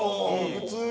普通に。